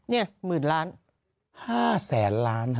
นี่๑๐ล้านห้าแสนล้านฮะ